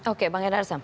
oke bang edhar sam